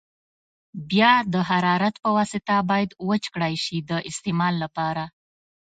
بیا د حرارت په واسطه باید وچ کړای شي د استعمال لپاره.